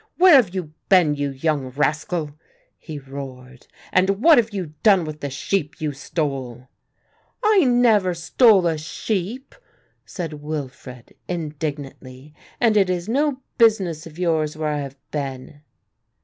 "Where have you been, you young rascal," he roared, "and what have you done with the sheep you stole?" "I never stole a sheep," said Wilfred indignantly, "and it is no business of yours where I have been."